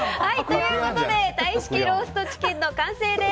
では、タイ式ローストチキンの完成です。